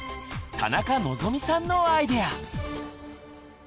田中望さんのアイデア。